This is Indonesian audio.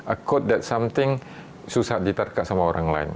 a code that something susah diterkat sama orang lain